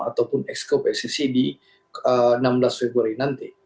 ataupun ex kop scc di enam belas februari nanti